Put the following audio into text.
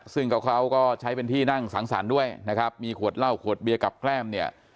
ซึ่งเขาก็ใช้เป็นที่นั่งสังสรรค์ด้วยนะครับมีขวดเหล้าขวดเบียร์กับแก้มเนี่ย